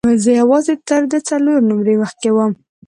زه یوازې تر ده څلور نمرې مخکې وم.